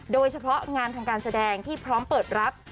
โดยเฉพาะงานทางการแสดงที่พร้อมเปิดรับ